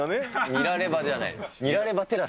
ニラレバじゃない。